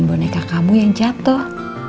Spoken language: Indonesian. amin boneka kamu yang jatoh